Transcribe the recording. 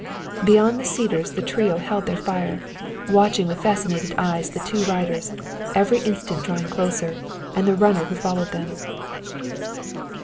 Beyond the cedars the trio held their fire, watching with fascinated eyes the two riders, every instant drawing closer, and the runner who followed them.